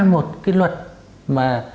một cái luật mà